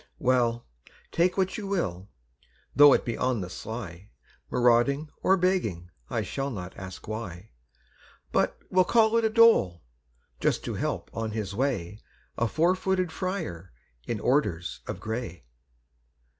Well, take what you will, though it be on the sly, Marauding or begging, I shall not ask why, But will call it a dole, just to help on his way A four footed friar in orders of gray!